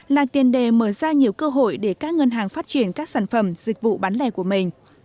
là tiền đề mở ra nhiều cơ hội để các ngân hàng phát triển các sản phẩm dịch vụ bán lẻ của mình